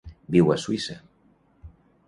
Viu a Suïssa.